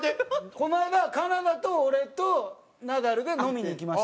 この間金田と俺とナダルで飲みに行きました。